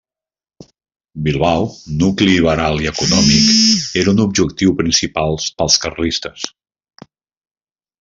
Bilbao, nucli liberal i econòmic, era un objectiu principal pels carlistes.